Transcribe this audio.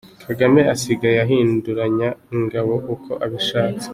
Kagame asigaye ahinduranya ingabo uko abishatse.